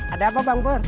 ada apa bang pur